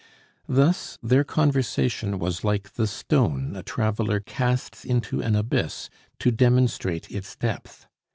Thus, their conversation was like the stone a traveler casts into an abyss to demonstrate its depth.